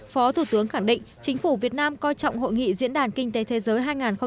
phó thủ tướng khẳng định chính phủ việt nam coi trọng hội nghị diễn đàn kinh tế thế giới hai nghìn hai mươi